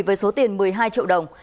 với số tiền một mươi hai triệu đồng